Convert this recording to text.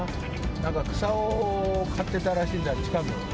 なんか草を刈ってたらしいんだ、近くで。